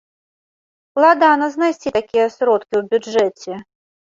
Складана знайсці такія сродкі ў бюджэце.